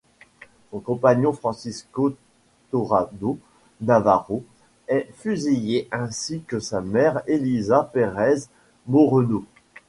Son compagnon Francisco Torrado Navarro est fusillé ainsi que sa mère Elisa Pérez Moreno.